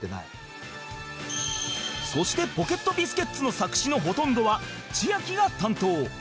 そしてポケットビスケッツの作詞のほとんどは千秋が担当